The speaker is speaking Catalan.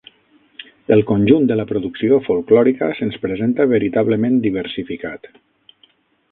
El conjunt de la producció folklòrica se’ns presenta veritablement diversificat.